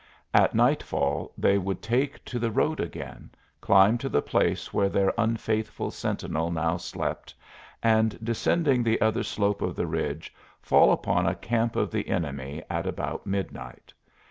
At nightfall they would take to the road again, climb to the place where their unfaithful sentinel now slept, and descending the other slope of the ridge fall upon a camp of the enemy at about midnight.